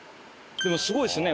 でもすごいですね。